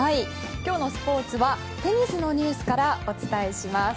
今日のスポーツはテニスのニュースからお伝えします。